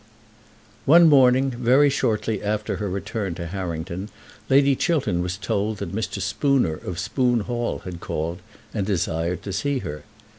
One morning, very shortly after her return to Harrington, Lady Chiltern was told that Mr. Spooner of Spoon Hall had called, and desired to see her.